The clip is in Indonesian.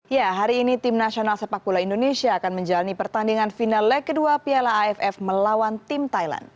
ya hari ini tim nasional sepak bola indonesia akan menjalani pertandingan final leg kedua piala aff melawan tim thailand